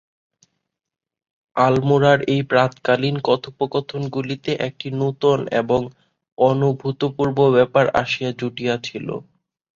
আলমোড়ার এই প্রাতঃকালীন কথোপকথনগুলিতে একটি নূতন এবং অনুভূতপূর্ব ব্যাপার আসিয়া জুটিয়াছিল।